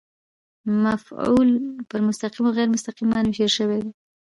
مفعول پر مستقیم او غېر مستقیم باندي وېشل سوی دئ.